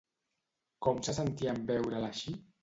Com se sentia en veure-la així?